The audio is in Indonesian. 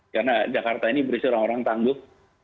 karena jakarta ini berisi orang orang tangguh